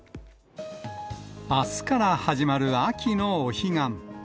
あすから始まる秋のお彼岸。